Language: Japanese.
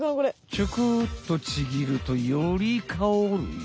ちょこっとちぎるとよりかおるよ。